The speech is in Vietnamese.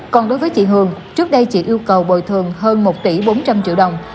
còn đối với chị hường trước đây chị yêu cầu bồi thường hơn một tỷ bốn trăm linh triệu đồng